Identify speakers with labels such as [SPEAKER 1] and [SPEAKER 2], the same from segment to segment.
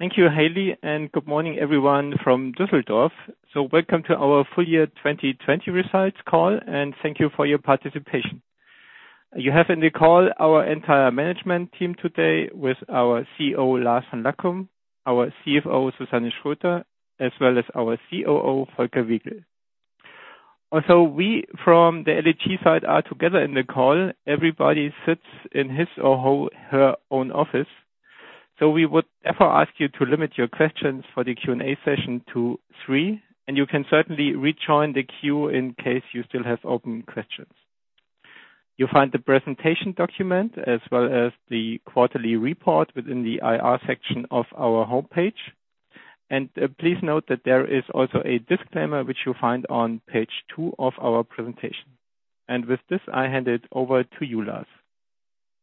[SPEAKER 1] Thank you, Hailey. Good morning everyone from Düsseldorf. Welcome to our full year 2020 results call, and thank you for your participation. You have in the call our entire management team today with our CEO, Lars von Lackum, our CFO, Susanne Schröter, as well as our COO, Volker Wiegel. Also, we from the LEG side are together in the call. Everybody sits in his or her own office. We would therefore ask you to limit your questions for the Q&A session to three, and you can certainly rejoin the queue in case you still have open questions. You'll find the presentation document as well as the quarterly report within the IR section of our homepage. Please note that there is also a disclaimer which you'll find on page two of our presentation. With this, I hand it over to you, Lars.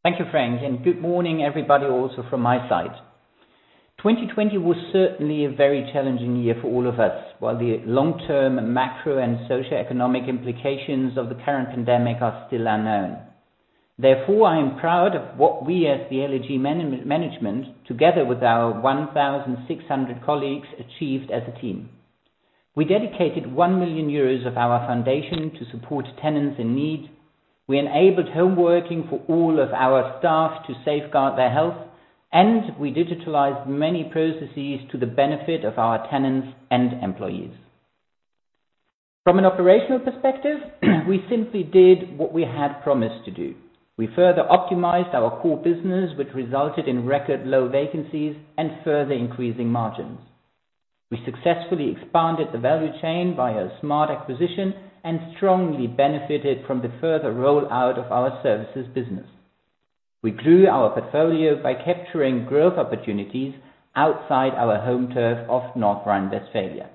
[SPEAKER 2] Thank you, Frank, and good morning everybody also from my side. 2020 was certainly a very challenging year for all of us, while the long-term macro and socioeconomic implications of the current pandemic are still unknown. Therefore, I am proud of what we as the LEG management, together with our 1,600 colleagues, achieved as a team. We dedicated 1 million euros of our foundation to support tenants in need. We enabled home working for all of our staff to safeguard their health, and we digitalized many processes to the benefit of our tenants and employees. From an operational perspective, we simply did what we had promised to do. We further optimized our core business, which resulted in record low vacancies and further increasing margins. We successfully expanded the value chain via smart acquisition and strongly benefited from the further rollout of our services business. We grew our portfolio by capturing growth opportunities outside our home turf of North Rhine-Westphalia.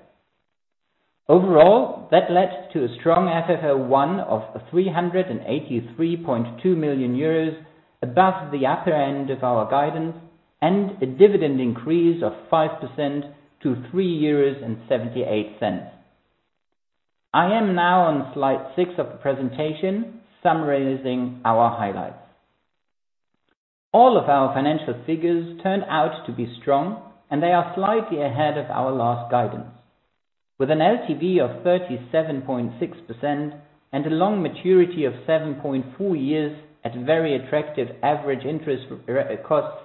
[SPEAKER 2] Overall, that led to a strong FFO 1 of 383.2 million euros above the upper end of our guidance and a dividend increase of 5% to 3.78 euros. I am now on slide six of the presentation, summarizing our highlights. All of our financial figures turn out to be strong. They are slightly ahead of our last guidance. With an LTV of 37.6% and a long maturity of 7.4 years at very attractive average interest costs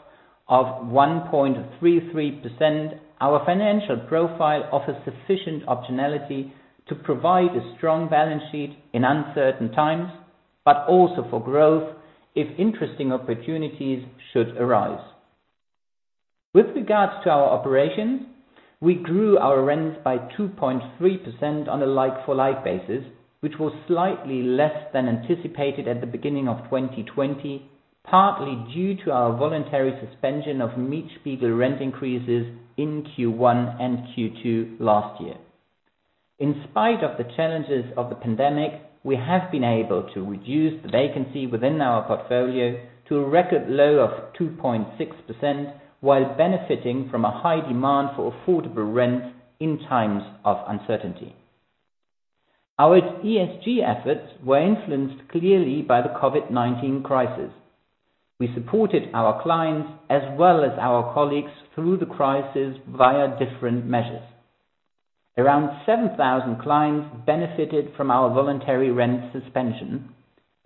[SPEAKER 2] of 1.33%, our financial profile offers sufficient optionality to provide a strong balance sheet in uncertain times, but also for growth if interesting opportunities should arise. With regards to our operations, we grew our rents by 2.3% on a like-for-like basis, which was slightly less than anticipated at the beginning of 2020, partly due to our voluntary suspension of Mietspiegel rent increases in Q1 and Q2 last year. In spite of the challenges of the pandemic, we have been able to reduce the vacancy within our portfolio to a record low of 2.6% while benefiting from a high demand for affordable rents in times of uncertainty. Our ESG efforts were influenced clearly by the COVID-19 crisis. We supported our clients as well as our colleagues through the crisis via different measures. Around 7,000 clients benefited from our voluntary rent suspension.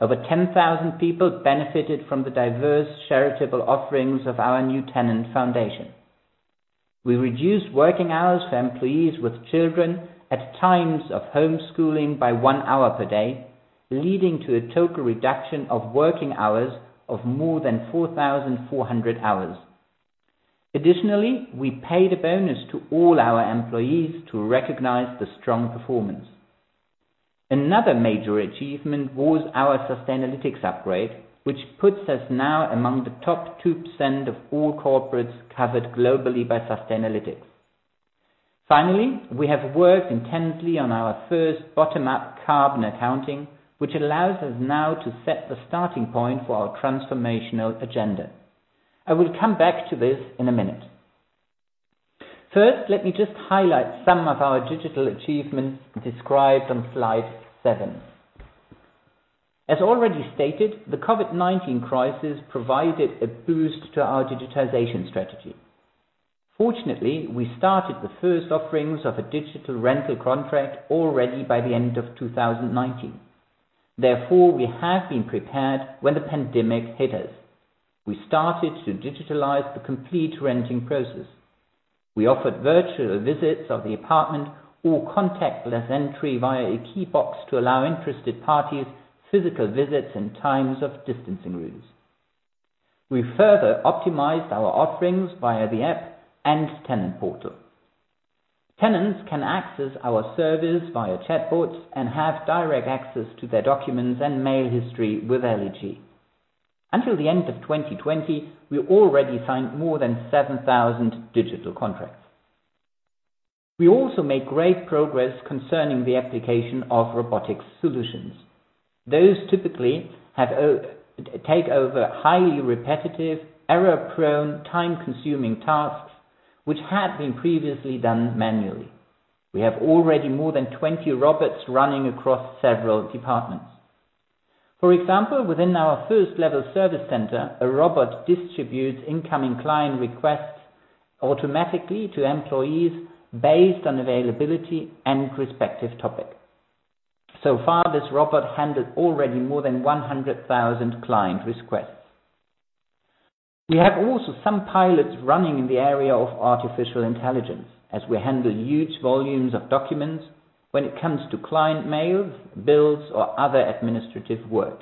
[SPEAKER 2] Over 10,000 people benefited from the diverse charitable offerings of our new tenant foundation. We reduced working hours for employees with children at times of homeschooling by one hour per day, leading to a total reduction of working hours of more than 4,400 hours. Additionally, we paid a bonus to all our employees to recognize the strong performance. Another major achievement was our Sustainalytics upgrade, which puts us now among the top 2% of all corporates covered globally by Sustainalytics. Finally, we have worked intensely on our first bottom-up carbon accounting, which allows us now to set the starting point for our transformational agenda. I will come back to this in a minute. First, let me just highlight some of our digital achievements described on slide seven. As already stated, the COVID-19 crisis provided a boost to our digitization strategy. Fortunately, we started the first offerings of a digital rental contract already by the end of 2019. We have been prepared when the pandemic hit us. We started to digitalize the complete renting process. We offered virtual visits of the apartment or contactless entry via a key box to allow interested parties physical visits in times of distancing rules. We further optimized our offerings via the app and tenant portal. Tenants can access our service via chatbots and have direct access to their documents and mail history with LEG. Until the end of 2020, we already signed more than 7,000 digital contracts. We also make great progress concerning the application of robotics solutions. Those typically take over highly repetitive, error-prone, time-consuming tasks which had been previously done manually. We have already more than 20 robots running across several departments. For example, within our first level service center, a robot distributes incoming client requests automatically to employees based on availability and respective topic. Far, this robot handled already more than 100,000 client requests. We have also some pilots running in the area of artificial intelligence, as we handle huge volumes of documents when it comes to client mail, bills, or other administrative work.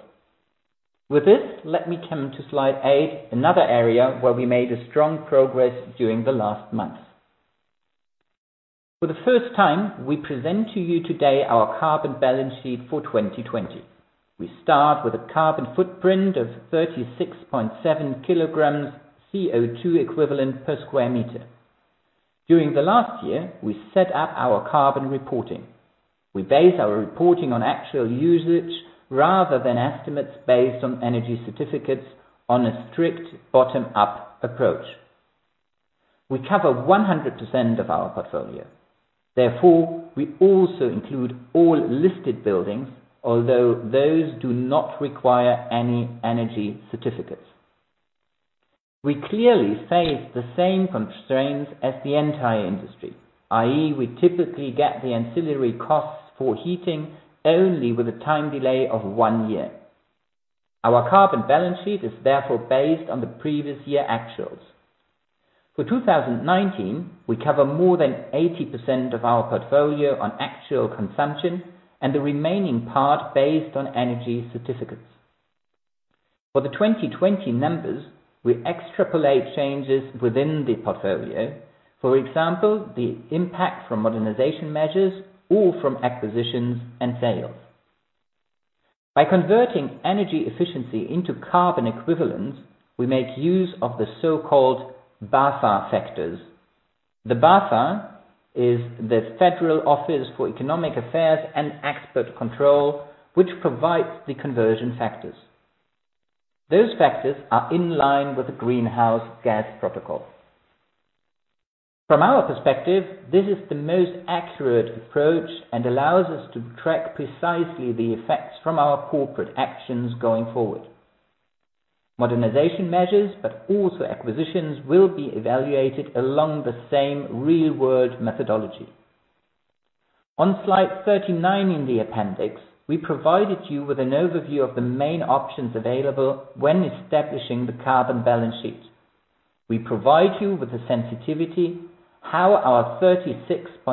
[SPEAKER 2] With this, let me come to slide eight, another area where we made a strong progress during the last months. For the first time, we present to you today our carbon balance sheet for 2020. We start with a carbon footprint of 36.7 kg CO2 equivalent per sq m. During the last year, we set up our carbon reporting. We base our reporting on actual usage rather than estimates based on energy certificates on a strict bottom-up approach. We cover 100% of our portfolio. Therefore, we also include all listed buildings, although those do not require any energy certificates. We clearly face the same constraints as the entire industry, i.e., we typically get the ancillary costs for heating only with a time delay of one year. Our carbon balance sheet is therefore based on the previous year actuals. For 2019, we cover more than 80% of our portfolio on actual consumption and the remaining part based on energy certificates. For the 2020 numbers, we extrapolate changes within the portfolio. For example, the impact from modernization measures or from acquisitions and sales. By converting energy efficiency into carbon equivalent, we make use of the so-called BAFA factors. The BAFA is the Federal Office for Economic Affairs and Export Control, which provides the conversion factors. Those factors are in line with the Greenhouse Gas Protocol. From our perspective, this is the most accurate approach and allows us to track precisely the effects from our corporate actions going forward. Modernization measures, but also acquisitions will be evaluated along the same real-world methodology. On slide 39 in the appendix, we provided you with an overview of the main options available when establishing the carbon balance sheet. We provide you with a sensitivity how our 36.7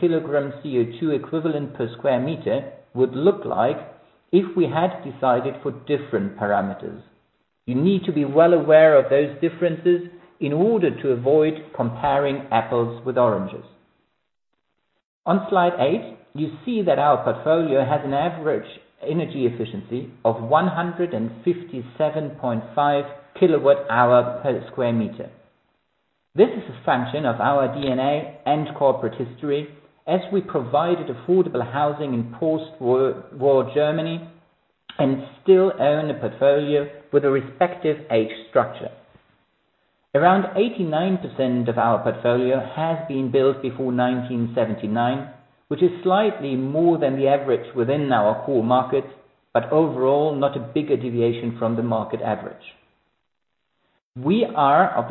[SPEAKER 2] kg CO2 equivalent per square meter would look like if we had decided for different parameters. You need to be well aware of those differences in order to avoid comparing apples with oranges. On slide eight, you see that our portfolio has an average energy efficiency of 157.5 kWh/m2. This is a function of our DNA and corporate history as we provided affordable housing in post-war Germany and still own a portfolio with a respective age structure. Around 89% of our portfolio has been built before 1979, which is slightly more than the average within our core markets, but overall, not a big deviation from the market average. However,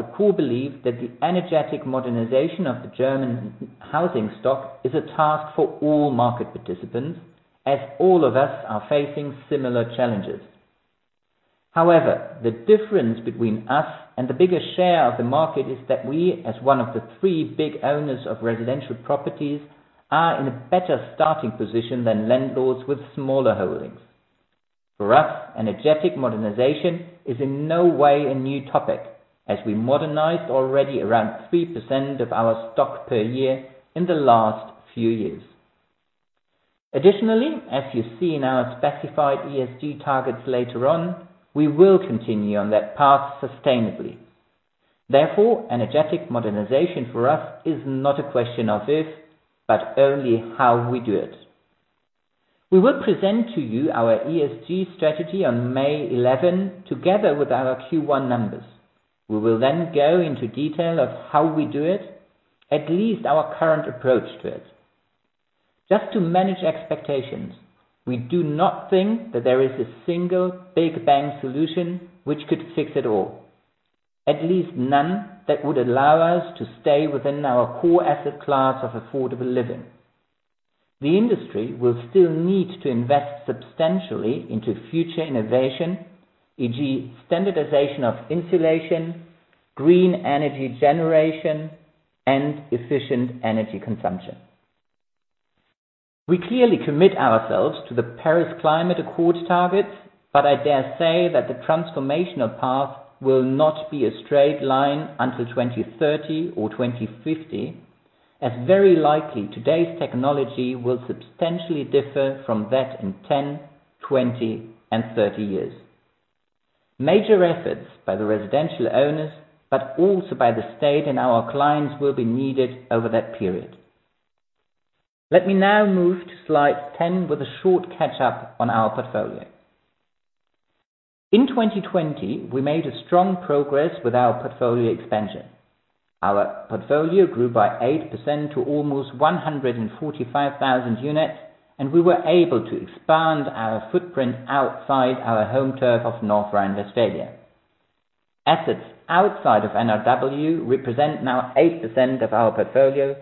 [SPEAKER 2] the difference between us and the biggest share of the market is that we, as one of the three big owners of residential properties, are in a better starting position than landlords with smaller holdings. For us, energetic modernization is in no way a new topic, as we modernized already around 3% of our stock per year in the last few years. Additionally, as you see in our specified ESG targets later on, we will continue on that path sustainably. Therefore, energetic modernization for us is not a question of if, but only how we do it. We will present to you our ESG strategy on May 11 together with our Q1 numbers. We will then go into detail of how we do it, at least our current approach to it. Just to manage expectations, we do not think that there is a single big bang solution which could fix it all, at least none that would allow us to stay within our core asset class of affordable living. The industry will still need to invest substantially into future innovation, e.g., standardization of insulation, green energy generation, and efficient energy consumption. We clearly commit ourselves to the Paris Climate Accord targets, I dare say that the transformational path will not be a straight line until 2030 or 2050, as very likely today's technology will substantially differ from that in 10, 20, and 30 years. Major efforts by the residential owners, also by the state and our clients will be needed over that period. Let me now move to slide 10 with a short catch up on our portfolio. In 2020, we made a strong progress with our portfolio expansion. Our portfolio grew by 8% to almost 145,000 units, we were able to expand our footprint outside our home turf of North Rhine-Westphalia. Assets outside of NRW represent now 8% of our portfolio,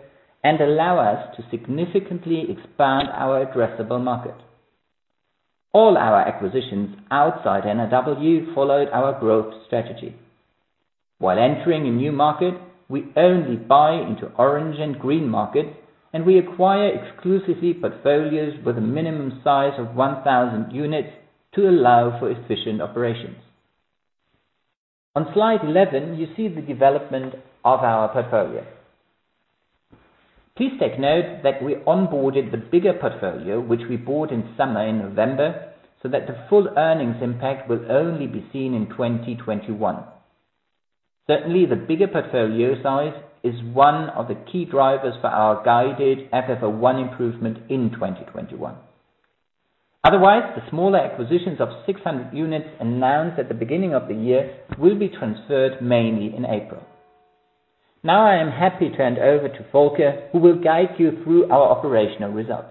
[SPEAKER 2] allow us to significantly expand our addressable market. All our acquisitions outside NRW followed our growth strategy. While entering a new market, we only buy into orange and green markets, and we acquire exclusively portfolios with a minimum size of 1,000 units to allow for efficient operations. On slide 11, you see the development of our portfolio. Please take note that we onboarded the bigger portfolio, which we bought in summer, in November, so that the full earnings impact will only be seen in 2021. Certainly, the bigger portfolio size is one of the key drivers for our guided FFO 1 improvement in 2021. Otherwise, the smaller acquisitions of 600 units announced at the beginning of the year will be transferred mainly in April. Now I am happy to hand over to Volker, who will guide you through our operational results.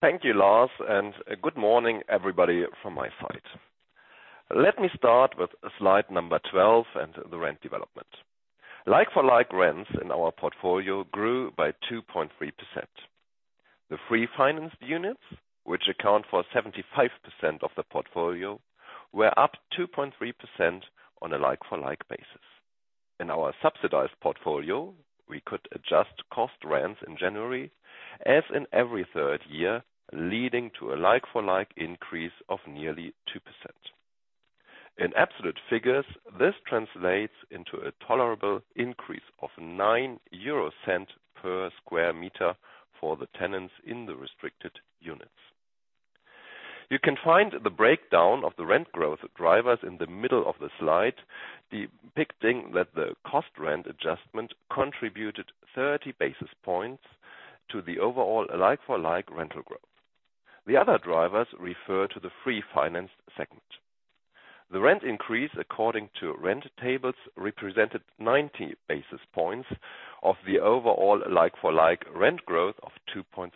[SPEAKER 3] Thank you, Lars, and good morning, everybody, from my side. Let me start with slide number 12 and the rent development. Like-for-like rents in our portfolio grew by 2.3%. The free financed units, which account for 75% of the portfolio, were up 2.3% on a like-for-like basis. In our subsidized portfolio, we could adjust cost rents in January, as in every third year, leading to a like-for-like increase of nearly 2%. In absolute figures, this translates into a tolerable increase of 0.09 per square meter for the tenants in the restricted units. You can find the breakdown of the rent growth drivers in the middle of the slide, depicting that the cost rent adjustment contributed 30 basis points to the overall like-for-like rental growth. The other drivers refer to the free financed segment. The rent increase according to rent tables represented 90 basis points of the overall like-for-like rent growth of 2.3%.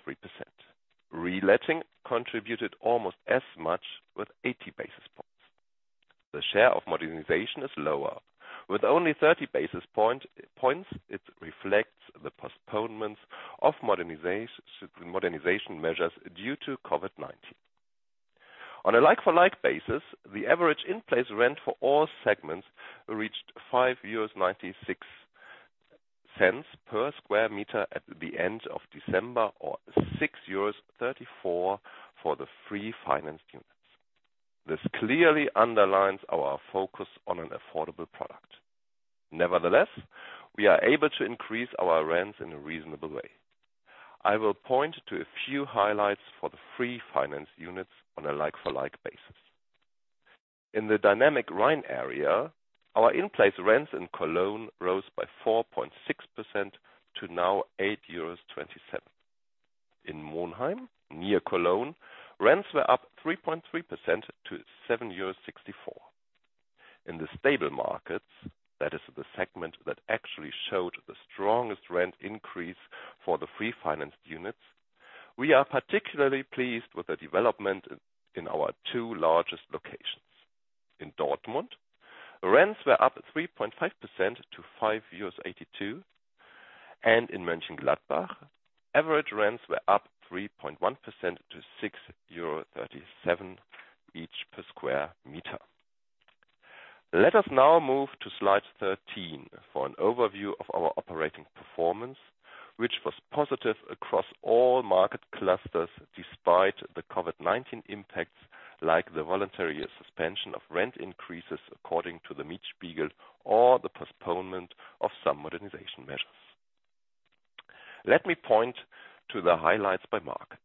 [SPEAKER 3] Re-letting contributed almost as much with 80 basis points. The share of modernization is lower. With only 30 basis points, it reflects the postponements of modernization measures due to COVID-19. On a like-for-like basis, the average in-place rent for all segments reached 5.96 euros per square meter at the end of December or 6.34 euros for the free financed units. This clearly underlines our focus on an affordable product. Nevertheless, we are able to increase our rents in a reasonable way. I will point to a few highlights for the free financed units on a like-for-like basis. In the dynamic Rhine area, our in-place rents in Cologne rose by 4.6% to now 8.27 euros. In Monheim, near Cologne, rents were up 3.3% to 7.64. In the stable markets, that is the segment that actually showed the strongest rent increase for the free financed units, we are particularly pleased with the development in our two largest locations. In Dortmund, rents were up 3.5% to 5.82, and in Mönchengladbach, average rents were up 3.1% to EUR 6.37 each per sq m. Let us now move to slide 13 for an overview of our operating performance, which was positive across all market clusters despite the COVID-19 impacts like the voluntary suspension of rent increases according to the Mietspiegel or the postponement of some modernization measures. Let me point to the highlights by market.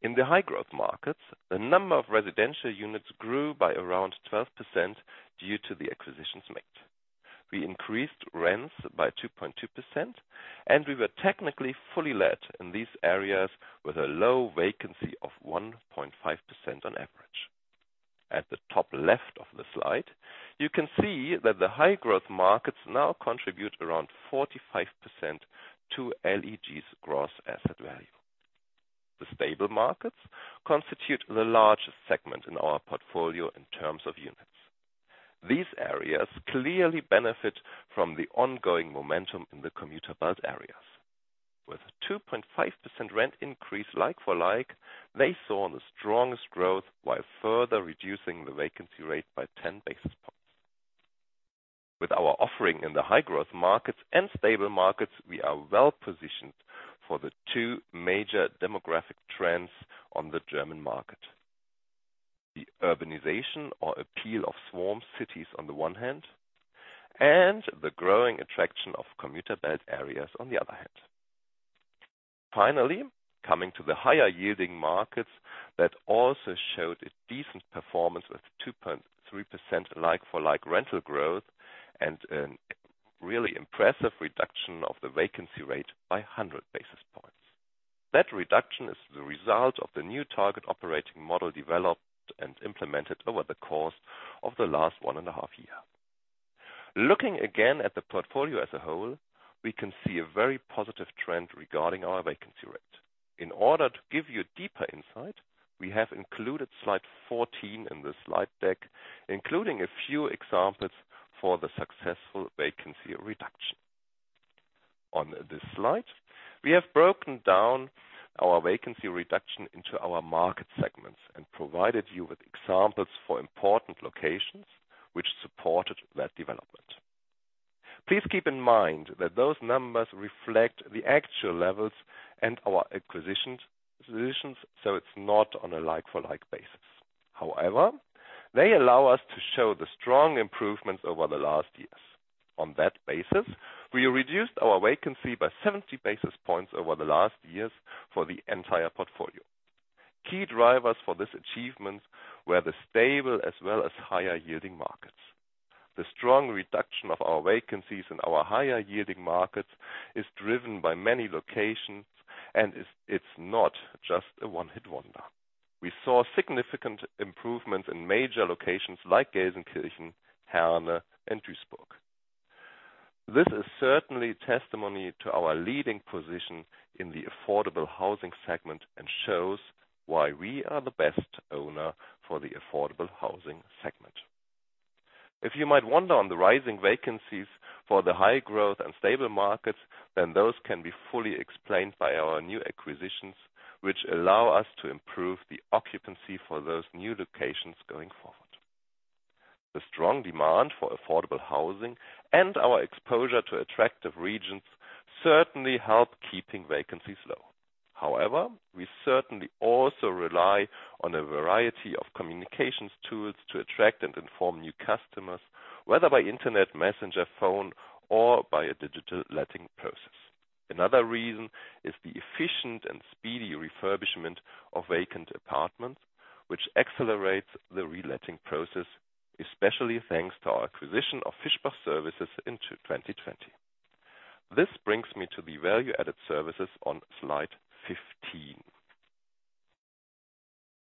[SPEAKER 3] In the high growth markets, the number of residential units grew by around 12% due to the acquisitions made. We increased rents by 2.2%. We were technically fully let in these areas with a low vacancy of 1.5% on average. At the top left of the slide, you can see that the high growth markets now contribute around 45% to LEG's gross asset value. The stable markets constitute the largest segment in our portfolio in terms of units. These areas clearly benefit from the ongoing momentum in the commuter belt areas. With a 2.5% rent increase like for like, they saw the strongest growth while further reducing the vacancy rate by 10 basis points. With our offering in the high growth markets and stable markets, we are well positioned for the two major demographic trends on the German market. The urbanization or appeal of swarm cities on the one hand, and the growing attraction of commuter belt areas on the other hand. Finally, coming to the higher yielding markets that also showed a decent performance with 2.3% like-for-like rental growth and a really impressive reduction of the vacancy rate by 100 basis points. That reduction is the result of the new target operating model developed and implemented over the course of the last one and a half year. Looking again at the portfolio as a whole, we can see a very positive trend regarding our vacancy rate. In order to give you a deeper insight, we have included slide 14 in the slide deck, including a few examples for the successful vacancy reduction. On this slide, we have broken down our vacancy reduction into our market segments and provided you with examples for important locations which supported that development. Please keep in mind that those numbers reflect the actual levels and our acquisitions, so it's not on a like-for-like basis. However, they allow us to show the strong improvements over the last years. On that basis, we reduced our vacancy by 70 basis points over the last years for the entire portfolio. Key drivers for this achievement were the stable as well as higher yielding markets. The strong reduction of our vacancies in our higher yielding markets is driven by many locations, and it's not just a one-hit wonder. We saw significant improvements in major locations like Gelsenkirchen, Herne, and Duisburg. This is certainly testimony to our leading position in the affordable housing segment and shows why we are the best owner for the affordable housing segment. If you might wonder on the rising vacancies for the high growth and stable markets, then those can be fully explained by our new acquisitions, which allow us to improve the occupancy for those new locations going forward. The strong demand for affordable housing and our exposure to attractive regions certainly help keeping vacancies low. However, we certainly also rely on a variety of communications tools to attract and inform new customers, whether by internet messenger, phone, or by a digital letting process. Another reason is the efficient and speedy refurbishment of vacant apartments, which accelerates the reletting process, especially thanks to our acquisition of Fischbach Services in 2020. This brings me to the value-added services on slide 15.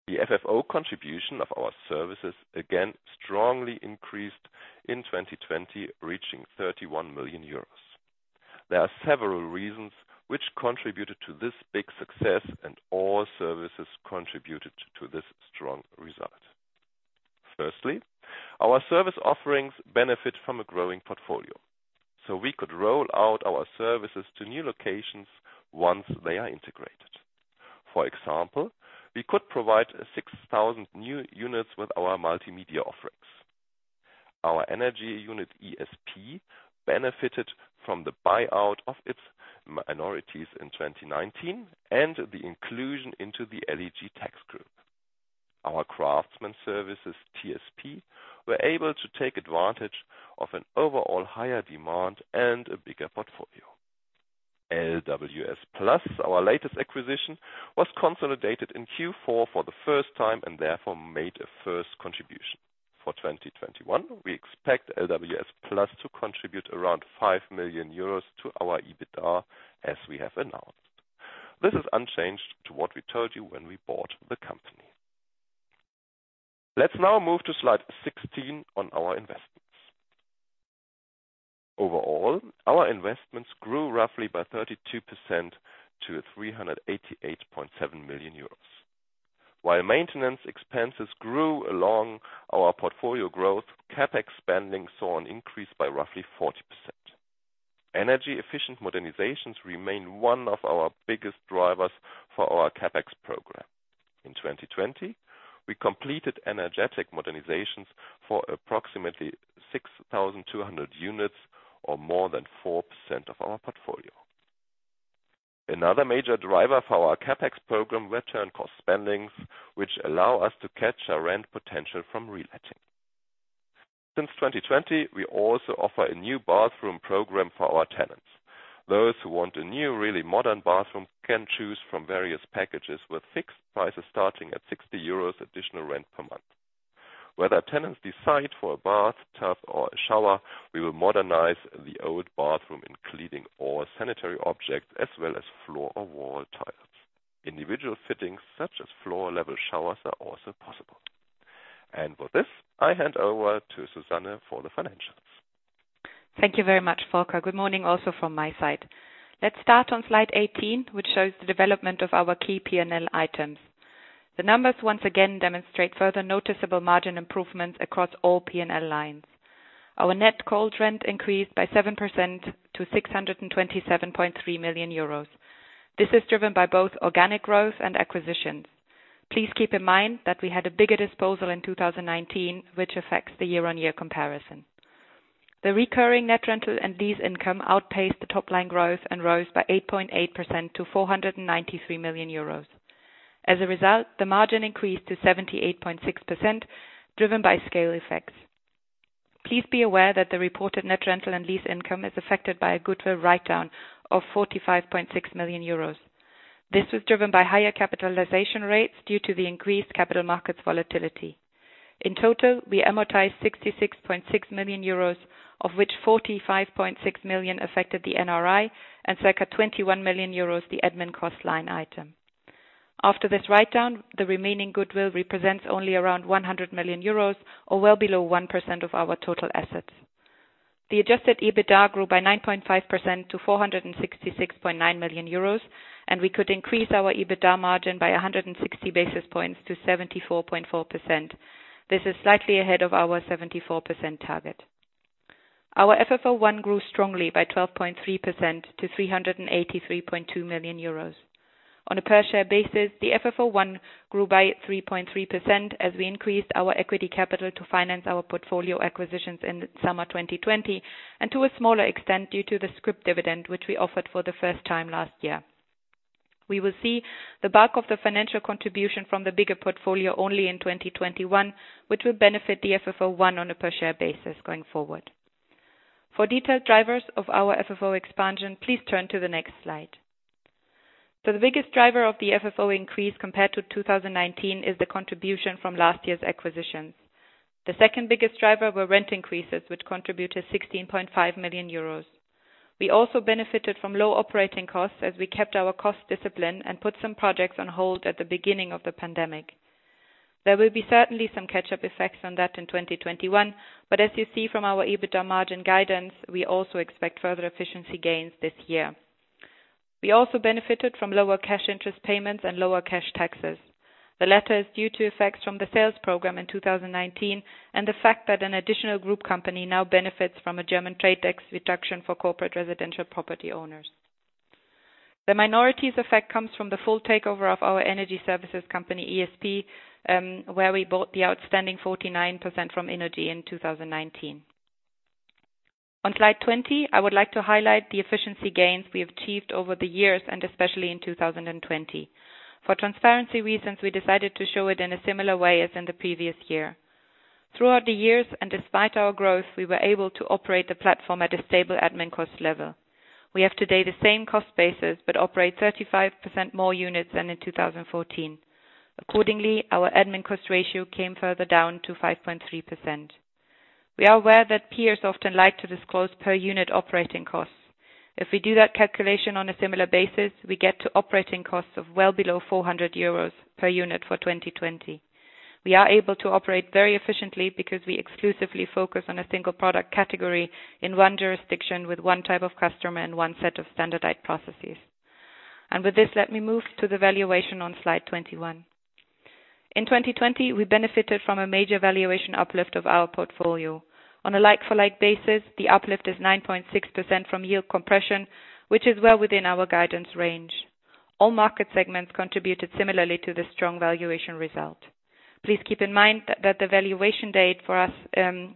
[SPEAKER 3] The FFO contribution of our services again strongly increased in 2020, reaching 31 million euros. There are several reasons which contributed to this big success, and all services contributed to this strong result. Firstly, our service offerings benefit from a growing portfolio. We could roll out our services to new locations once they are integrated. For example, we could provide 6,000 new units with our multimedia offerings. Our energy unit, ESP, benefited from the buyout of its minorities in 2019 and the inclusion into the LEG tax group. Our craftsman services, TSP, were able to take advantage of an overall higher demand and a bigger portfolio. LWS Plus, our latest acquisition, was consolidated in Q4 for the first time and therefore made a first contribution. For 2021, we expect LWS Plus to contribute around 5 million euros to our EBITDA, as we have announced. This is unchanged to what we told you when we bought the company. Let's now move to slide 16 on our investments. Overall, our investments grew roughly by 32% to 388.7 million euros. While maintenance expenses grew along our portfolio growth, CapEx spending saw an increase by roughly 40%. Energy efficient modernizations remain one of our biggest drivers for our CapEx program. In 2020, we completed energetic modernizations for approximately 6,200 units or more than 4% of our portfolio. Another major driver for our CapEx program were turn cost spendings, which allow us to catch our rent potential from reletting. Since 2020, we also offer a new bathroom program for our tenants. Those who want a new, really modern bathroom can choose from various packages with fixed prices starting at 60 euros additional rent per month. Whether tenants decide for a bath, tub, or a shower, we will modernize the old bathroom, including all sanitary objects as well as floor or wall tiles. Individual fittings such as floor level showers are also possible. With this, I hand over to Susanne for the financials.
[SPEAKER 4] Thank you very much, Volker. Good morning also from my side. Let's start on slide 18, which shows the development of our key P&L items. The numbers once again demonstrate further noticeable margin improvements across all P&L lines. Our net cold rent increased by 7% to 627.3 million euros. This is driven by both organic growth and acquisitions. Please keep in mind that we had a bigger disposal in 2019, which affects the year-on-year comparison. The recurring net rental and lease income outpaced the top line growth and rose by 8.8% to 493 million euros. As a result, the margin increased to 78.6%, driven by scale effects. Please be aware that the reported net rental and lease income is affected by a goodwill write-down of EUR 45.6 million. This was driven by higher capitalization rates due to the increased capital markets volatility. In total, we amortized 66.6 million euros, of which 45.6 million affected the NRI and circa 21 million euros the admin cost line item. After this write-down, the remaining goodwill represents only around 100 million euros or well below 1% of our total assets. The adjusted EBITDA grew by 9.5% to 466.9 million euros. We could increase our EBITDA margin by 160 basis points to 74.4%. This is slightly ahead of our 74% target. Our FFO 1 grew strongly by 12.3% to 383.2 million euros. On a per share basis, the FFO 1 grew by 3.3% as we increased our equity capital to finance our portfolio acquisitions in summer 2020, and to a smaller extent due to the scrip dividend, which we offered for the first time last year. We will see the bulk of the financial contribution from the bigger portfolio only in 2021, which will benefit the FFO 1 on a per share basis going forward. For detailed drivers of our FFO expansion, please turn to the next slide. The biggest driver of the FFO increase compared to 2019 is the contribution from last year's acquisitions. The second biggest driver were rent increases, which contributed 16.5 million euros. We also benefited from low operating costs as we kept our cost discipline and put some projects on hold at the beginning of the pandemic. There will be certainly some catch-up effects on that in 2021, as you see from our EBITDA margin guidance, we also expect further efficiency gains this year. We also benefited from lower cash interest payments and lower cash taxes. The latter is due to effects from the sales program in 2019 and the fact that an additional group company now benefits from a German trade tax reduction for corporate residential property owners. The minorities effect comes from the full takeover of our energy services company, ESP, where we bought the outstanding 49% from innogy in 2019. On slide 20, I would like to highlight the efficiency gains we achieved over the years, and especially in 2020. For transparency reasons, we decided to show it in a similar way as in the previous year. Throughout the years, and despite our growth, we were able to operate the platform at a stable admin cost level. We have today the same cost basis, but operate 35% more units than in 2014. Accordingly, our admin cost ratio came further down to 5.3%. We are aware that peers often like to disclose per unit operating costs. If we do that calculation on a similar basis, we get to operating costs of well below 400 euros per unit for 2020. We are able to operate very efficiently because we exclusively focus on a single product category in one jurisdiction with one type of customer and one set of standardized processes. With this, let me move to the valuation on slide 21. In 2020, we benefited from a major valuation uplift of our portfolio. On a like-for-like basis, the uplift is 9.6% from yield compression, which is well within our guidance range. All market segments contributed similarly to the strong valuation result. Please keep in mind that the valuation date for us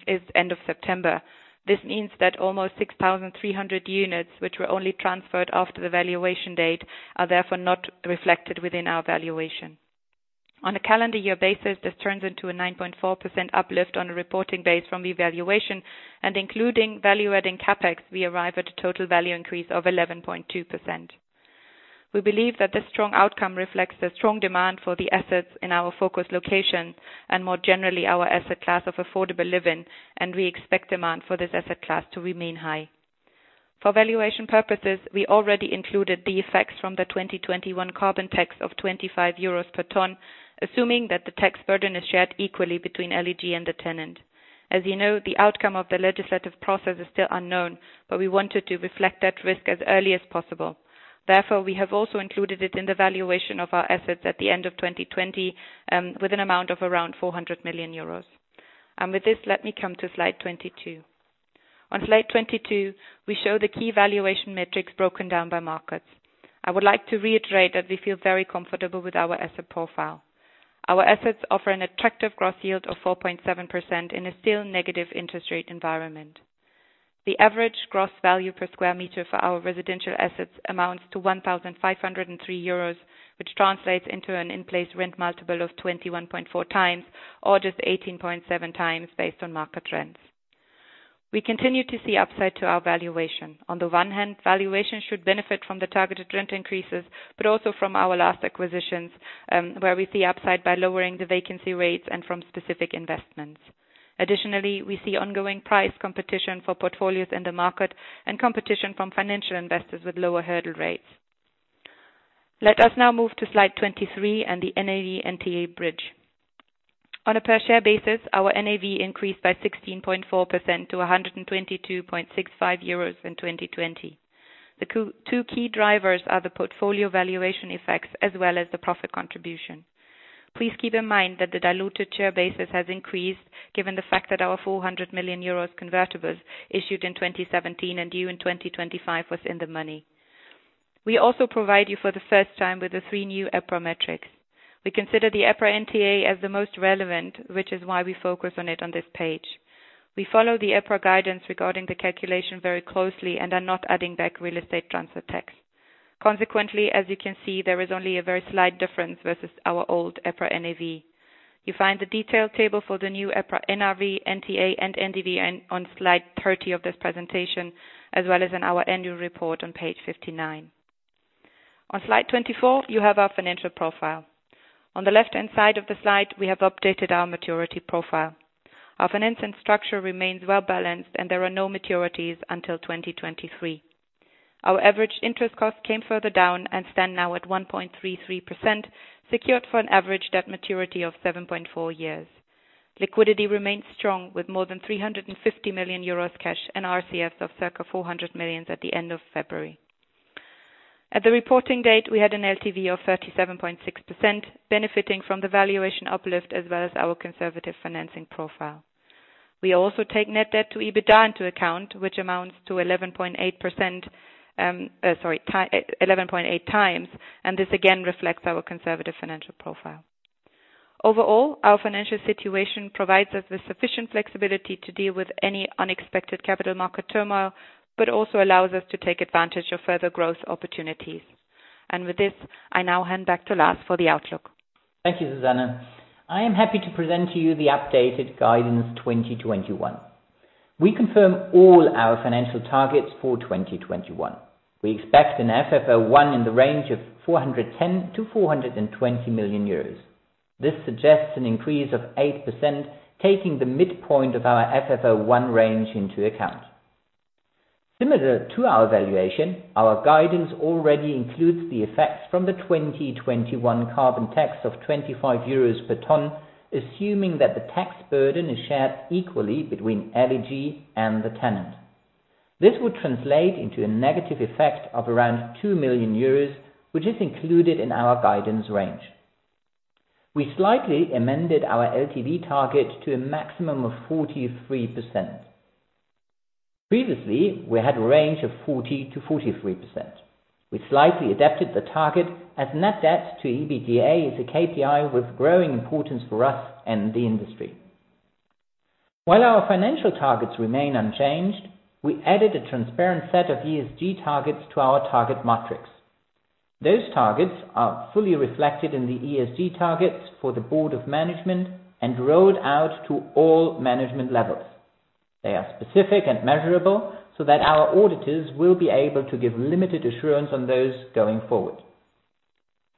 [SPEAKER 4] is end of September. This means that almost 6,300 units, which were only transferred after the valuation date, are therefore not reflected within our valuation. On a calendar year basis, this turns into a 9.4% uplift on a reporting base from the valuation, and including value-adding CapEx, we arrive at a total value increase of 11.2%. We believe that this strong outcome reflects the strong demand for the assets in our focus location and more generally, our asset class of affordable living, and we expect demand for this asset class to remain high. For valuation purposes, we already included the effects from the 2021 carbon tax of 25 euros per ton, assuming that the tax burden is shared equally between LEG and the tenant. As you know, the outcome of the legislative process is still unknown, but we wanted to reflect that risk as early as possible. We have also included it in the valuation of our assets at the end of 2020, with an amount of around 400 million euros. With this, let me come to slide 22. On slide 22, we show the key valuation metrics broken down by markets. I would like to reiterate that we feel very comfortable with our asset profile. Our assets offer an attractive gross yield of 4.7% in a still negative interest rate environment. The average gross value per square meter for our residential assets amounts to 1,503 euros, which translates into an in-place rent multiple of 21.4x, or just 18.7x based on market trends. We continue to see upside to our valuation. Valuation should benefit from the targeted rent increases, but also from our last acquisitions, where we see upside by lowering the vacancy rates and from specific investments. Additionally, we see ongoing price competition for portfolios in the market and competition from financial investors with lower hurdle rates. Let us now move to slide 23 and the NAV/NTA bridge. On a per share basis, our NAV increased by 16.4% to 122.65 euros in 2020. The two key drivers are the portfolio valuation effects as well as the profit contribution. Please keep in mind that the diluted share basis has increased, given the fact that our 400 million euros convertibles issued in 2017 and due in 2025 was in the money. We also provide you for the three new EPRA metrics. We consider the EPRA NTA as the most relevant, which is why we focus on it on this page. We follow the EPRA guidance regarding the calculation very closely and are not adding back real estate transfer tax. Consequently, as you can see, there is only a very slight difference versus our old EPRA NAV. You find the detailed table for the new EPRA NRV, NTA, and NDV on slide 30 of this presentation, as well as in our annual report on page 59. On slide 24, you have our financial profile. On the left-hand side of the slide, we have updated our maturity profile. Our finance and structure remains well-balanced, and there are no maturities until 2023. Our average interest cost came further down and stand now at 1.33%, secured for an average debt maturity of 7.4 years. Liquidity remains strong with more than 350 million euros cash and RCFs of circa 400 million at the end of February. At the reporting date, we had an LTV of 37.6%, benefiting from the valuation uplift as well as our conservative financing profile. We also take net debt to EBITDA into account, which amounts to 11.8x, and this again reflects our conservative financial profile. Overall, our financial situation provides us with sufficient flexibility to deal with any unexpected capital market turmoil, but also allows us to take advantage of further growth opportunities. With this, I now hand back to Lars for the outlook.
[SPEAKER 2] Thank you, Susanne. I am happy to present to you the updated guidance 2021. We confirm all our financial targets for 2021. We expect an FFO 1 in the range of 410 million-420 million euros. This suggests an increase of 8%, taking the midpoint of our FFO 1 range into account. Similar to our valuation, our guidance already includes the effects from the 2021 carbon tax of 25 euros per ton, assuming that the tax burden is shared equally between LEG and the tenant. This would translate into a negative effect of around 2 million euros, which is included in our guidance range. We slightly amended our LTV target to a maximum of 43%. Previously, we had a range of 40%-43%. We slightly adapted the target as net debt to EBITDA is a KPI with growing importance for us and the industry. While our financial targets remain unchanged, we added a transparent set of ESG targets to our target matrix. Those targets are fully reflected in the ESG targets for the Board of Management and rolled out to all management levels. They are specific and measurable so that our auditors will be able to give limited assurance on those going forward.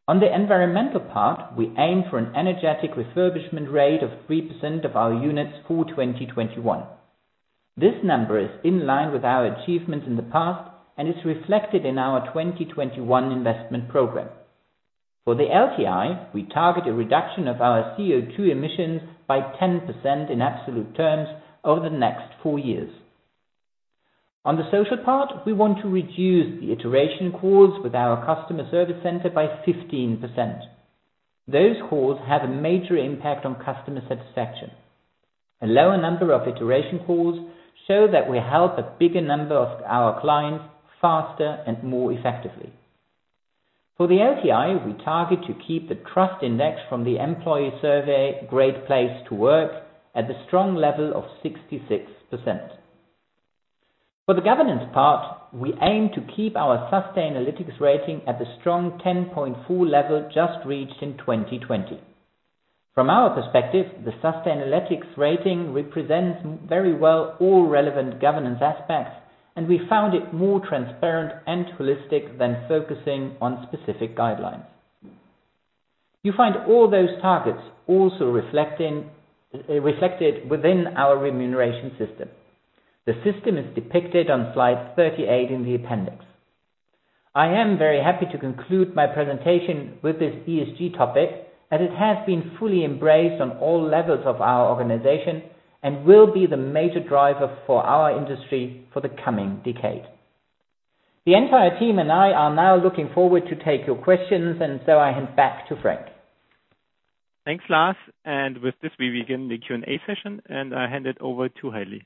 [SPEAKER 2] On the environmental part, we aim for an energetic refurbishment rate of 3% of our units for 2021. This number is in line with our achievements in the past and is reflected in our 2021 investment program. For the LTI, we target a reduction of our CO2 emissions by 10% in absolute terms over the next four years. On the social part, we want to reduce the iteration calls with our customer service center by 15%. Those calls have a major impact on customer satisfaction. A lower number of iteration calls show that we help a bigger number of our clients faster and more effectively. For the LTI, we target to keep the trust index from the employee survey Great Place to Work at the strong level of 66%. For the governance part, we aim to keep our Sustainalytics rating at the strong 10.4 level just reached in 2020. From our perspective, the Sustainalytics rating represents very well all relevant governance aspects, and we found it more transparent and holistic than focusing on specific guidelines. You find all those targets also reflected within our remuneration system. The system is depicted on slide 38 in the appendix. I am very happy to conclude my presentation with this ESG topic, as it has been fully embraced on all levels of our organization and will be the major driver for our industry for the coming decade. The entire team and I are now looking forward to take your questions, and so I hand back to Frank.
[SPEAKER 1] Thanks, Lars. With this, we begin the Q&A session, and I hand it over to Hailey.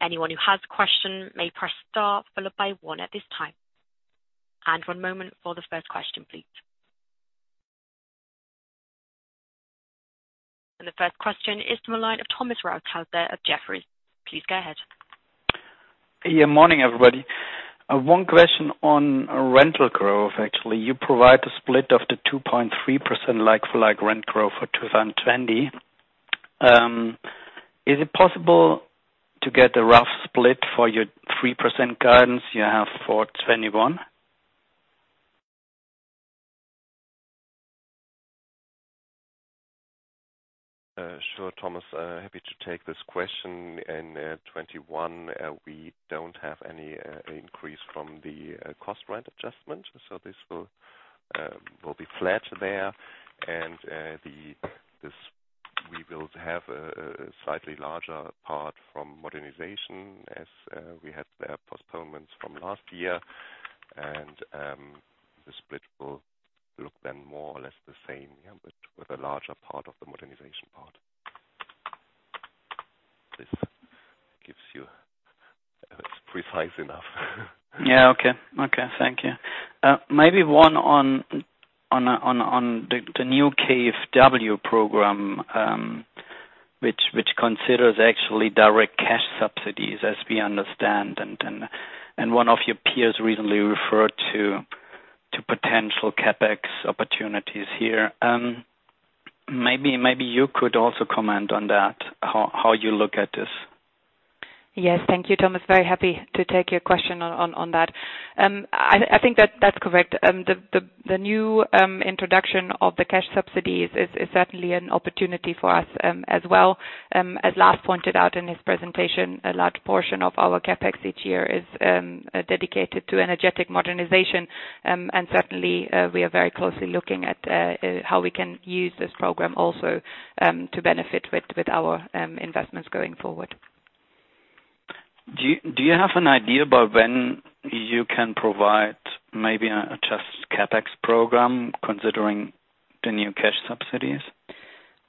[SPEAKER 5] The first question is to the line of Thomas Rothaeusler at Jefferies. Please go ahead.
[SPEAKER 6] Yeah, morning, everybody. One question on rental growth, actually. You provide a split of the 2.3% like-for-like rent growth for 2020. Is it possible to get a rough split for your 3% guidance you have for 2021?
[SPEAKER 3] Sure, Thomas. Happy to take this question. In 2021, we don't have any increase from the cost rent adjustment, so this will be flat there. We will have a slightly larger part from modernization as we had postponements from last year. The split will look then more or less the same with a larger part of the modernization part. This gives you precise enough.
[SPEAKER 6] Yeah, okay. Thank you. Maybe one on the new KfW program, which considers actually direct cash subsidies, as we understand. One of your peers recently referred to potential CapEx opportunities here. Maybe you could also comment on that, how you look at this.
[SPEAKER 4] Yes. Thank you, Thomas. Very happy to take your question on that. I think that's correct. The new introduction of the cash subsidies is certainly an opportunity for us, as well. As Lars pointed out in his presentation, a large portion of our CapEx each year is dedicated to energetic modernization. Certainly, we are very closely looking at how we can use this program also to benefit with our investments going forward.
[SPEAKER 6] Do you have an idea about when you can provide maybe a just CapEx program, considering the new cash subsidies?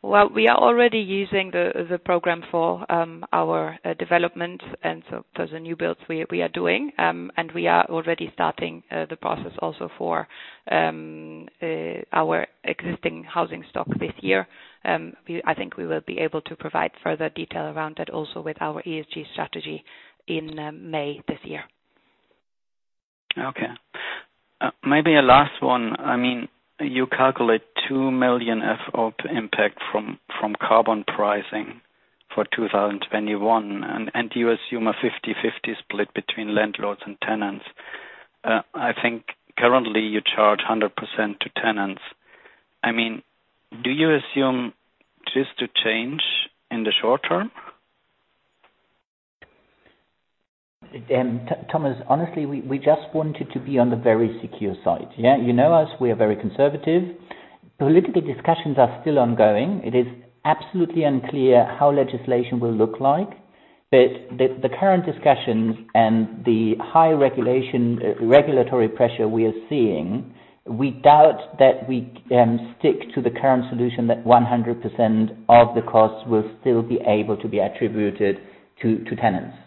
[SPEAKER 4] Well, we are already using the program for our development and so for the new builds we are doing, and we are already starting the process also for our existing housing stock this year. I think we will be able to provide further detail around that also with our ESG strategy in May this year.
[SPEAKER 6] Okay. Maybe a last one. You calculate 2 million of impact from carbon pricing for 2021, and you assume a 50/50 split between landlords and tenants. I think currently you charge 100% to tenants. Do you assume this to change in the short term?
[SPEAKER 2] Thomas, honestly, we just wanted to be on the very secure side. You know us, we are very conservative. Political discussions are still ongoing. It is absolutely unclear how legislation will look like. The current discussions and the high regulatory pressure we are seeing, we doubt that we stick to the current solution that 100% of the cost will still be able to be attributed to tenants.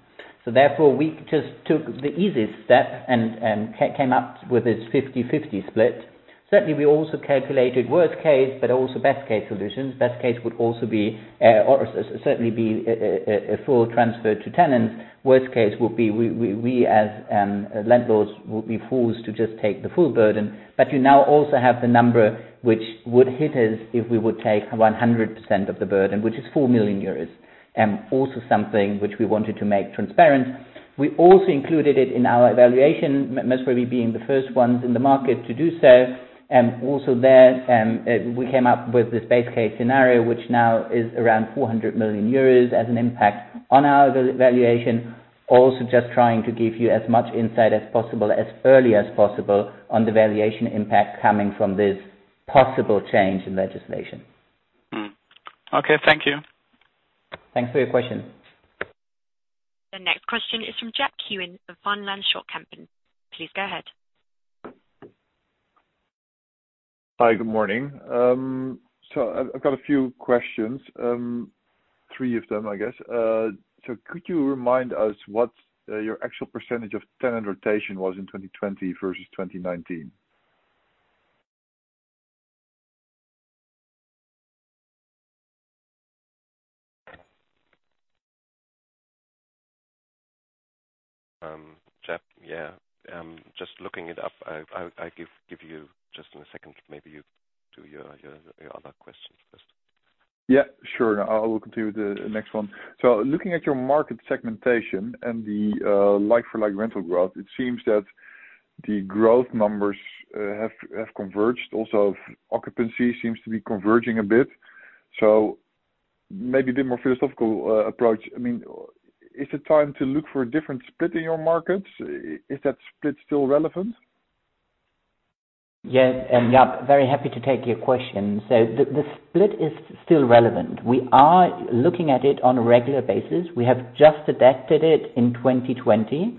[SPEAKER 2] Therefore, we just took the easiest step and came up with this 50/50 split. Certainly, we also calculated worst case, but also best case solutions. Best case would certainly be a full transfer to tenants. Worst case would be we as landlords would be fools to just take the full burden. You now also have the number which would hit us if we would take 100% of the burden, which is 4 million euros. Something which we wanted to make transparent. We also included it in our evaluation, mostly being the first ones in the market to do so. There, we came up with this base case scenario, which now is around 400 million euros as an impact on our valuation. Just trying to give you as much insight as possible, as early as possible, on the valuation impact coming from this possible change in legislation.
[SPEAKER 6] Okay. Thank you.
[SPEAKER 2] Thanks for your question.
[SPEAKER 5] The next question is from Jaap Kuin of Van Lanschot Kempen. Please go ahead.
[SPEAKER 7] Hi. Good morning. I've got a few questions. Three of them, I guess. Could you remind us what your actual percentage of tenant rotation was in 2020 versus 2019?
[SPEAKER 3] Jaap, yeah. Just looking it up. I give you just in a second. Maybe you do your other questions first.
[SPEAKER 7] Yeah, sure. I will continue the next one. Looking at your market segmentation and the like for like rental growth, it seems that the growth numbers have converged. Also, occupancy seems to be converging a bit. Maybe the more philosophical approach. Is it time to look for a different split in your markets? Is that split still relevant?
[SPEAKER 2] Jaap, very happy to take your question. The split is still relevant. We are looking at it on a regular basis. We have just adapted it in 2020.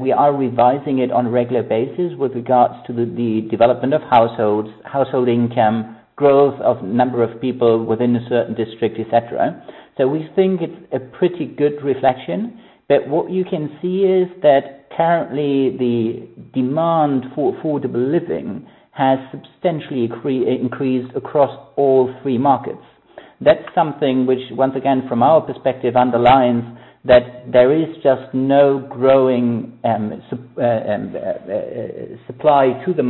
[SPEAKER 2] We are revising it on a regular basis with regards to the development of households, household income, growth of number of people within a certain district, et cetera. We think it's a pretty good reflection. What you can see is that currently the demand for affordable living has substantially increased across all three markets. That's something which, once again, from our perspective, underlines that there is just no growing supply to the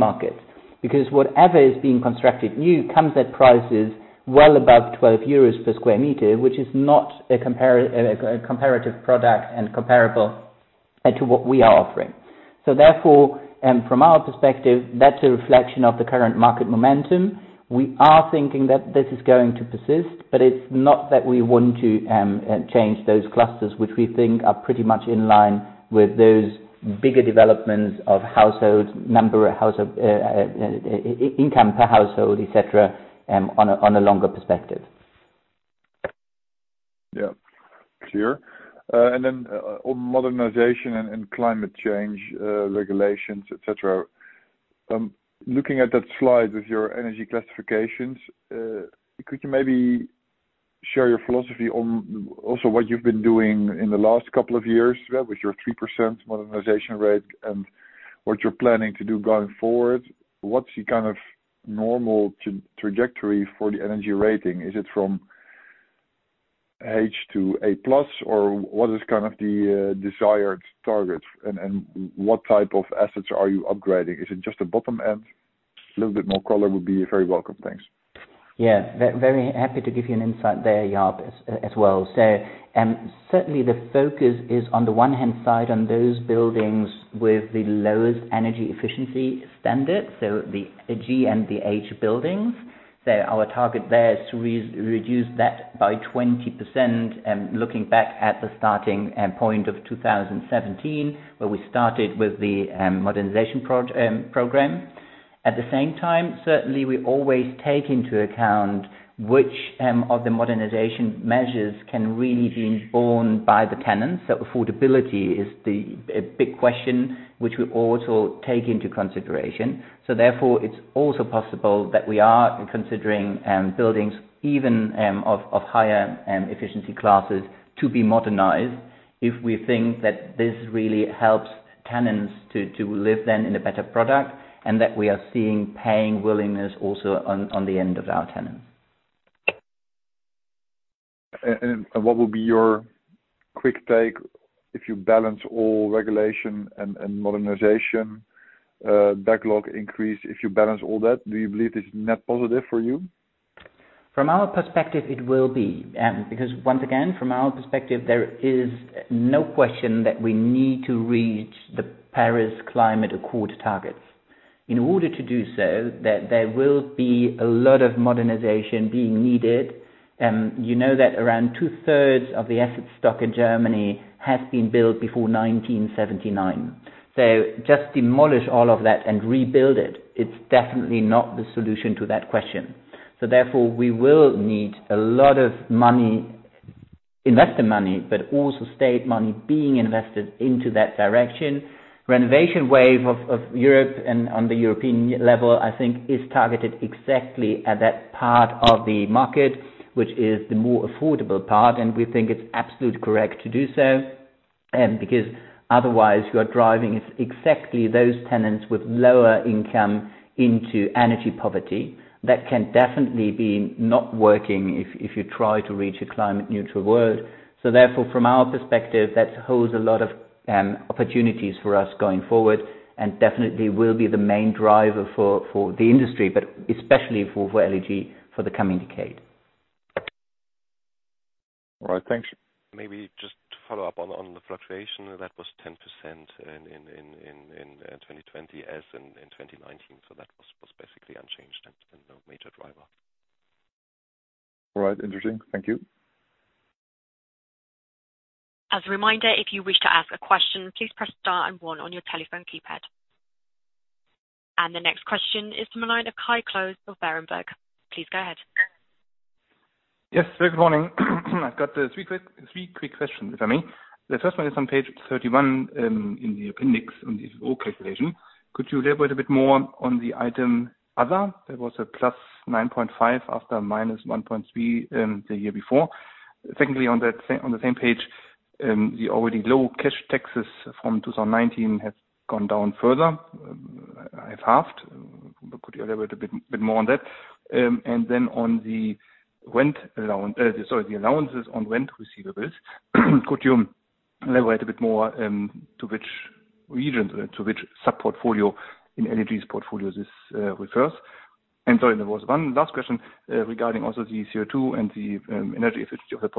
[SPEAKER 2] market. Whatever is being constructed new comes at prices well above 12 euros per square meter, which is not a comparative product and comparable to what we are offering. Therefore, from our perspective, that's a reflection of the current market momentum. We are thinking that this is going to persist, but it's not that we want to change those clusters, which we think are pretty much in line with those bigger developments of households, number of household, income per household, et cetera, on a longer perspective.
[SPEAKER 7] Yeah. Clear. Then on modernization and climate change, regulations, et cetera, looking at that slide with your energy classifications, could you maybe share your philosophy on also what you've been doing in the last couple of years with your 3% modernization rate and what you're planning to do going forward. What's the kind of normal trajectory for the energy rating? Is it from H to A+, or what is the desired target? What type of assets are you upgrading? Is it just the bottom end? A little bit more color would be very welcome. Thanks.
[SPEAKER 2] Very happy to give you an insight there, Jaap, as well. Certainly the focus is on the one hand side on those buildings with the lowest energy efficiency standard, so the G and the H buildings. Our target there is to reduce that by 20%, looking back at the starting point of 2017, where we started with the modernization program. At the same time, certainly we always take into account which of the modernization measures can really be borne by the tenants. Affordability is the big question, which we also take into consideration. Therefore, it's also possible that we are considering buildings even of higher efficiency classes to be modernized if we think that this really helps tenants to live then in a better product, and that we are seeing paying willingness also on the end of our tenants.
[SPEAKER 7] What will be your quick take if you balance all regulation and modernization backlog increase? If you balance all that, do you believe this is net positive for you?
[SPEAKER 2] From our perspective, it will be. Once again, from our perspective, there is no question that we need to reach the Paris Climate Accord targets. In order to do so, there will be a lot of modernization being needed. You know that around two-thirds of the asset stock in Germany has been built before 1979. Just demolish all of that and rebuild it's definitely not the solution to that question. Therefore, we will need a lot of money, investor money, but also state money being invested into that direction. Renovation Wave for Europe and on the European level, I think is targeted exactly at that part of the market, which is the more affordable part, and we think it's absolutely correct to do so. Otherwise, you are driving exactly those tenants with lower income into energy poverty. That can definitely be not working if you try to reach a climate neutral world. Therefore, from our perspective, that holds a lot of opportunities for us going forward, and definitely will be the main driver for the industry, but especially for LEG for the coming decade.
[SPEAKER 7] All right. Thanks.
[SPEAKER 3] Maybe just to follow up on the fluctuation, that was 10% in 2020 as in 2019. That was basically unchanged and no major driver.
[SPEAKER 7] All right. Interesting. Thank you.
[SPEAKER 5] As a reminder, if you wish to ask a question, please press star and one on your telephone keypad. The next question is from the line of Kai Klose of Berenberg. Please go ahead.
[SPEAKER 8] Yes. Good morning. I've got three quick questions, if I may. The first one is on page 31, in the appendix on the calculation. Could you elaborate a bit more on the item other? There was a +9.5 after -1.3 the year before. Secondly, on the same page, the already low cash taxes from 2019 have gone down further, have halved. Could you elaborate a bit more on that? Then on the allowances on rent receivables, could you elaborate a bit more to which regions, to which sub-portfolio in LEG's portfolio this refers? Sorry, there was one last question regarding also the CO2 and the energy efficiency of the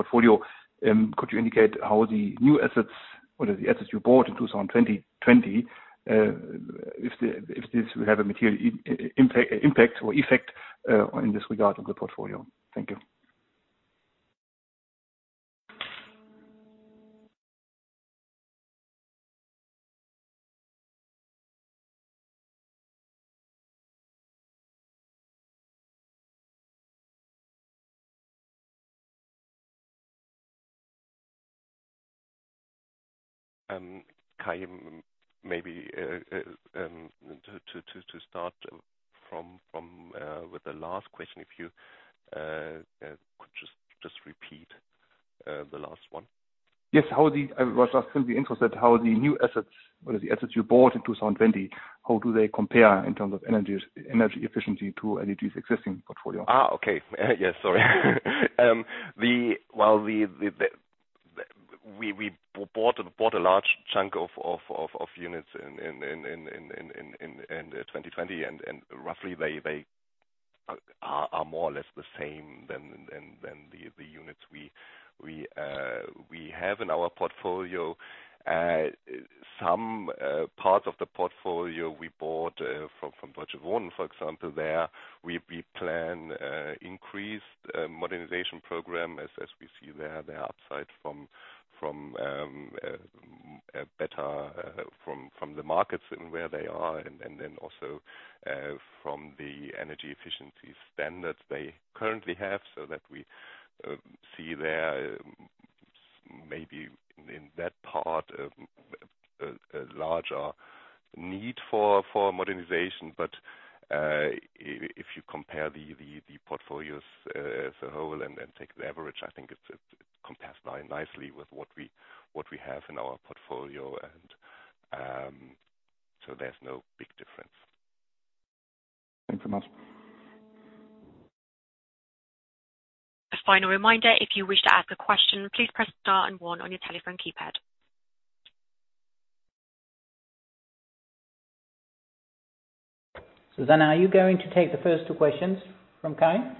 [SPEAKER 8] portfolio. Could you indicate how the new assets or the assets you bought in 2020, if this will have a material impact or effect in this regard on the portfolio? Thank you.
[SPEAKER 3] Kai, maybe to start with the last question, if you could just repeat the last one.
[SPEAKER 8] Yes. I was just simply interested how the new assets or the assets you bought in 2020, how do they compare in terms of energy efficiency to LEG's existing portfolio?
[SPEAKER 3] Okay. Yes, sorry. We bought a large chunk of units in 2020, and roughly they are more or less the same than the units we have in our portfolio. Some parts of the portfolio we bought from Deutsche Wohnen, for example. There we plan increased modernization program as we see there the upside from the markets and where they are, and then also from the energy efficiency standards they currently have, so that we see there Maybe in that part, a larger need for modernization. If you compare the portfolios as a whole and take the average, I think it compares very nicely with what we have in our portfolio, and so there's no big difference.
[SPEAKER 8] Thanks so much.
[SPEAKER 5] A final reminder, if you wish to ask a question, please press star and one on your telephone keypad.
[SPEAKER 2] Susanne, are you going to take the first two questions from Kai?
[SPEAKER 4] I've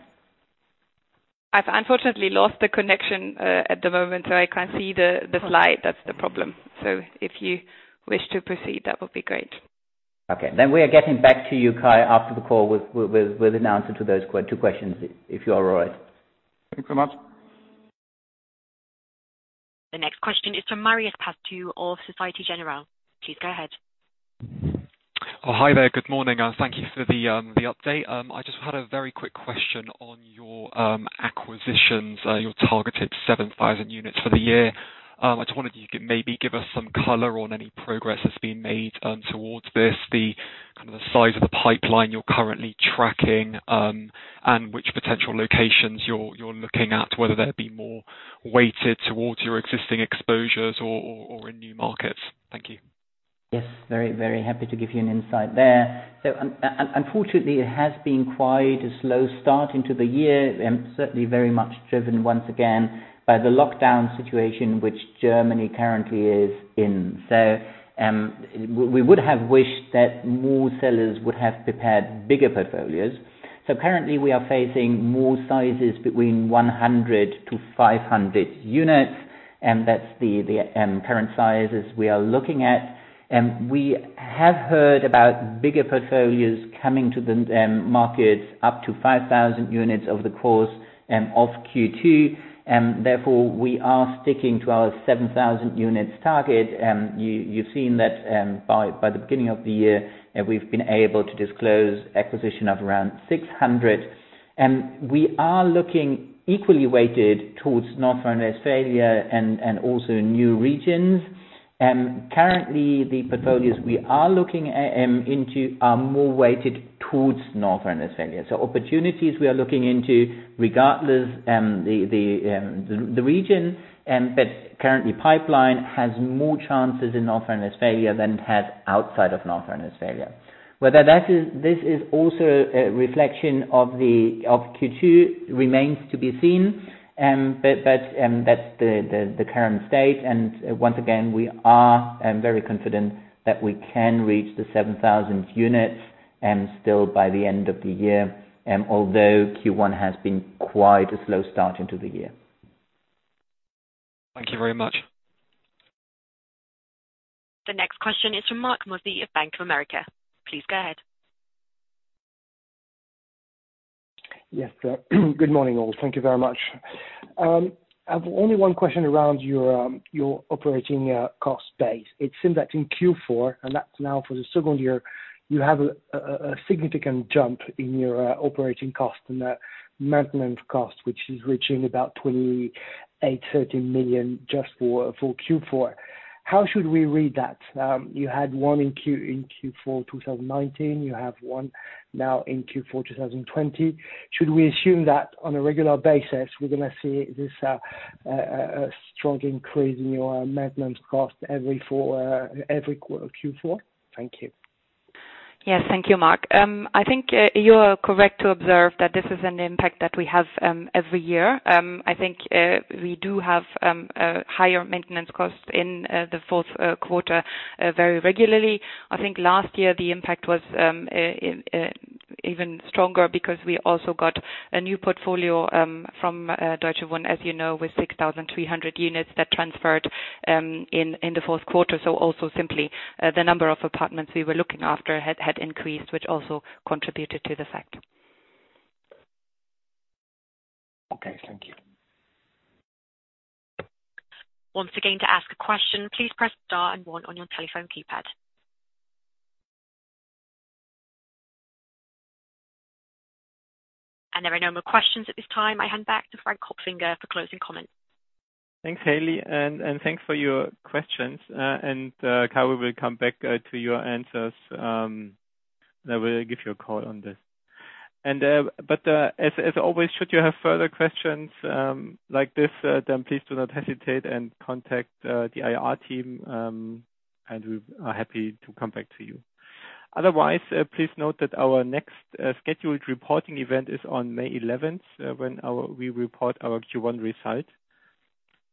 [SPEAKER 4] unfortunately lost the connection, at the moment, so I can't see the slide. That's the problem. If you wish to proceed, that would be great.
[SPEAKER 2] Okay. We are getting back to you, Kai, after the call with an answer to those two questions, if you are all right.
[SPEAKER 8] Thank you so much.
[SPEAKER 5] The next question is from Marios Pastou of Société Générale. Please go ahead.
[SPEAKER 9] Oh, hi there. Good morning, and thank you for the update. I just had a very quick question on your acquisitions, your targeted 7,000 units for the year. I just wondered if you could maybe give us some color on any progress that's been made towards this, the size of the pipeline you're currently tracking, and which potential locations you're looking at, whether they'd be more weighted towards your existing exposures or in new markets. Thank you.
[SPEAKER 2] Yes, very happy to give you an insight there. Unfortunately, it has been quite a slow start into the year, certainly very much driven once again by the lockdown situation which Germany currently is in. We would have wished that more sellers would have prepared bigger portfolios. Currently, we are facing more sizes between 100-500 units, and that's the current sizes we are looking at. We have heard about bigger portfolios coming to the market up to 5,000 units over the course of Q2. Therefore, we are sticking to our 7,000 units target. You've seen that by the beginning of the year, we've been able to disclose acquisition of around 600. We are looking equally weighted towards North Rhine-Westphalia and also new regions. Currently, the portfolios we are looking into are more weighted towards North Rhine-Westphalia. Opportunities we are looking into regardless the region, but currently pipeline has more chances in North Rhine-Westphalia than it has outside of North Rhine-Westphalia. Whether this is also a reflection of Q2 remains to be seen, but that's the current state, and once again, we are very confident that we can reach the 7,000 units still by the end of the year, although Q1 has been quite a slow start into the year.
[SPEAKER 9] Thank you very much.
[SPEAKER 5] The next question is from Marc Mozzi of Bank of America. Please go ahead.
[SPEAKER 10] Yes. Good morning, all. Thank you very much. I have only one question around your operating cost base. It seems that in Q4, and that's now for the second year, you have a significant jump in your operating cost and maintenance cost, which is reaching about 28.3 million just for Q4. How should we read that? You had one in Q4 2019. You have one now in Q4 2020. Should we assume that, on a regular basis, we're going to see this strong increase in your maintenance cost every Q4? Thank you.
[SPEAKER 4] Yes. Thank you, Marc. I think you are correct to observe that this is an impact that we have every year. I think we do have higher maintenance costs in the fourth quarter very regularly. I think last year the impact was even stronger because we also got a new portfolio from Deutsche Wohnen, as you know, with 6,300 units that transferred in the fourth quarter. Also simply the number of apartments we were looking after had increased, which also contributed to the fact.
[SPEAKER 10] Okay. Thank you.
[SPEAKER 5] Once again, to ask a question, please press star and one on your telephone keypad. There are no more questions at this time. I hand back to Frank Kopfinger for closing comments.
[SPEAKER 1] Thanks, Hailey. Thanks for your questions. Kai, we will come back to your answers. I will give you a call on this. As always, should you have further questions like this, then please do not hesitate and contact the IR team. We are happy to come back to you. Otherwise, please note that our next scheduled reporting event is on May 11th when we report our Q1 results.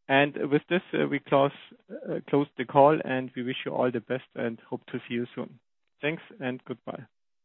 [SPEAKER 1] With this, we close the call. We wish you all the best and hope to see you soon. Thanks and goodbye.